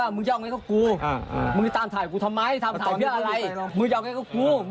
มึงตามถ่ายกูทำไมตามถ่ายเพื่ออะไรมึงเยาว์ไงกับกู